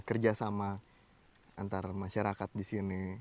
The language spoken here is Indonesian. kerjasama antar masyarakat di sini